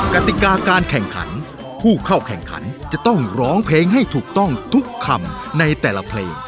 กติกาการแข่งขันผู้เข้าแข่งขันจะต้องร้องเพลงให้ถูกต้องทุกคำในแต่ละเพลง